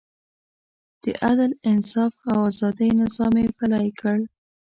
د عدل، انصاف او ازادۍ نظام یې پلی کړ.